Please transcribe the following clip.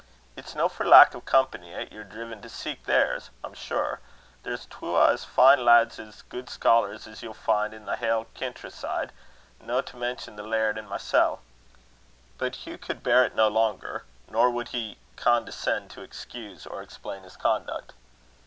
"It's no for lack o' company 'at yer driven to seek theirs, I'm sure. There's twa as fine lads an' gude scholars as ye'll fin' in the haill kintra side, no to mention the laird and mysel'." But Hugh could bear it no longer; nor would he condescend to excuse or explain his conduct.